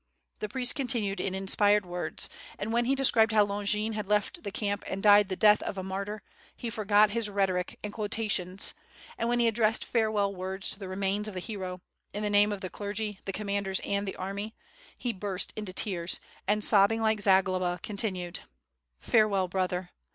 The priest continued in inspired words, and when he de scribed how Ijongin had left the camp and died the death of a martyr, he forgot his rhetoric and quotations, and when he addressed farewell words to the remains of the hero, in the name of the clergy, the commanders, and the army, he burst into tears, and sobbing like Zagloba, continued: "Farewell, brother!